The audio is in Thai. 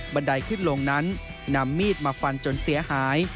ไดขึ้นลงนั้นนำมีดมาฟันจนเสียหาย